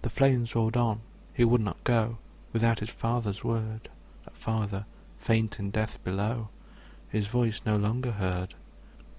The flames rolled on; he would not go Without his father's word; That father, faint in death below, His voice no longer heard.